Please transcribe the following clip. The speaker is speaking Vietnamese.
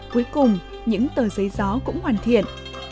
cuối cùng những tờ giấy gió cũng hoàn thiện